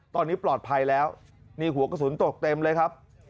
ตอนนี้ปลอดภัยแล้วนี่หัวกระสุนตกเต็มเลยครับ